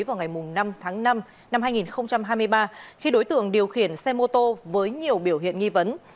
vào ngày năm tháng năm năm hai nghìn hai mươi ba khi đối tượng điều khiển xe mô tô với nhiều biểu hiện nghi vấn